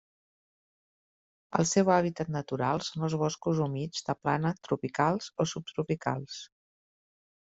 El seu hàbitat natural són els boscos humits de plana tropicals o subtropicals.